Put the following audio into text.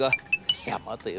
いや待てよ。